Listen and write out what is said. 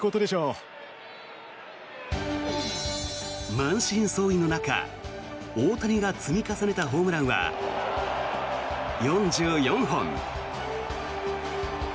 満身創痍の中大谷が積み重ねたホームランは４４本。